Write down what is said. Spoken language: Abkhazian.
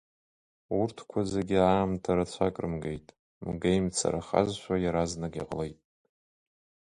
Урҭқәа зегьы аамҭа рацәак рымгеит, мгеимцарахазшәа иаразнак иҟалеит.